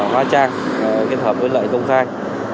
hóa trang kết hợp với lợi công khai